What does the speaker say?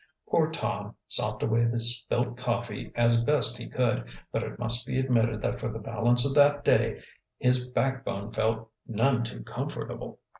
Poor Tom sopped away the spilt coffee as best he could, but it must be admitted that for the balance of that day his backbone felt none too comfortable.